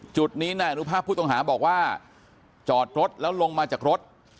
จุดนี้นายอนุภาพผู้ต้องหาบอกว่าจอดรถแล้วลงมาจากรถ